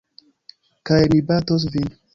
Kaj mi batos vin.